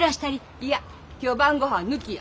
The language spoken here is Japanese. いや今日晩ごはん抜きや。